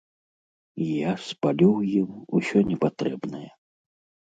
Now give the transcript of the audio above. І я спалю ў ім усё непатрэбнае.